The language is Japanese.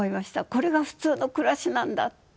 これが普通の暮らしなんだって。